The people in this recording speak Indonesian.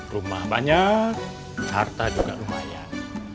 rumah banyak harta juga lumayan